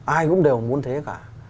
ai cũng đều muốn thế cả